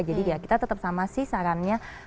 jadi ya kita tetap sama sih sarannya